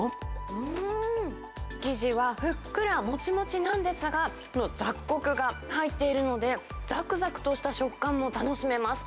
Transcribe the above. うーん、生地はふっくらもちもちなんですが、雑穀が入っているので、ざくざくとした食感も楽しめます。